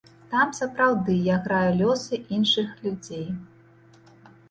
Там, сапраўды, я граю лёсы іншых людзей.